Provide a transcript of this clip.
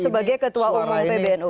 sebagai ketua umum pbnu